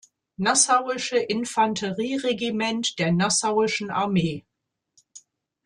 Nassauische Infanterie-Regiment der Nassauischen Armee.